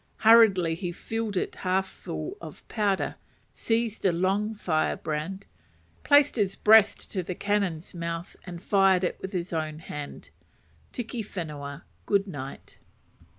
Hurriedly he filled it half full of powder, seized a long firebrand, placed his breast to the cannon's mouth, and fired it with his own hand. Tiki Whenua, good night!